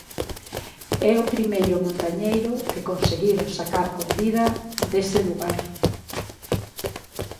É o primeiro montañeiro que conseguiron sacar con vida dese lugar.